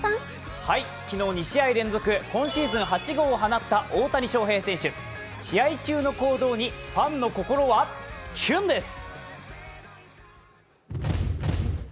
昨日、２試合連続今シーズン８号を放った大谷翔平選手、試合中の行動にファンの心は、キュンです！